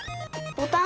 ボタン？